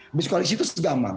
habis koalisi itu segaman